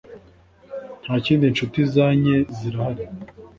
ntakindi inshuti zanye zirahari